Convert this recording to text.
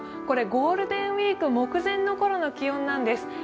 これ、ゴールデンウイーク目前の頃の気温なんです。